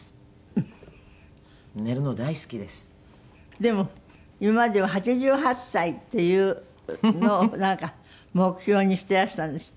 でも今までは８８歳っていうのをなんか目標にしてらしたんですって？